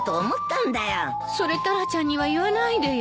それタラちゃんには言わないでよ。